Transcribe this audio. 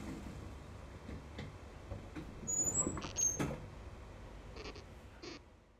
Sasa anaendelea kupata mafunzo na yeye pia anatoa mafunzo katika maeneo mbalimbali